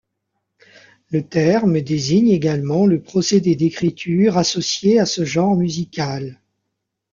Le terme désigne également le procédé d'écriture associé à ce genre musical.